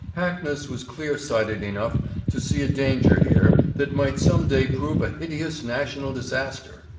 Hackness was clear sighted enough to see a danger here that might some day prove a hideous national disaster.